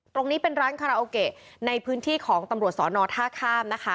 ตรงนี้เป็นร้านคาโลเกะในพื้นที่ของตำรวจณท่าข้าม